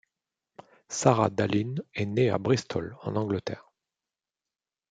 Sara Dallin est née à Bristol, en Angleterre.